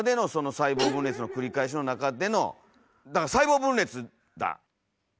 細胞分裂の繰り返しの中での細胞分裂だ！